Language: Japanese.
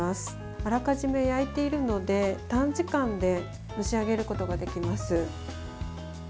あらかじめ焼いているので短時間で蒸し上げることができます。